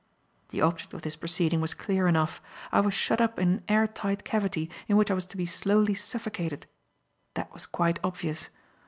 The object of this proceeding was clear enough. I was shut up in an air tight cavity in which I was to be slowly suffocated. That was quite obvious.